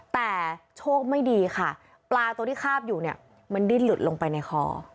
แต่โชคไม่ดีค่ะปลาตัวที่คาบอยู่เนี่ยมันดิ้นหลุดลงไปในคอ